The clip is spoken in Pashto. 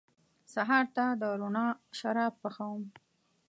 سهار ته د روڼا شراب پخوم